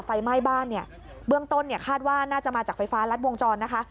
ไฟไหม้บ้านเนี่ยเบื้องต้นเนี่ยคาดว่าน่าจะมาจากไฟฟ้ารัดวงจรนะคะ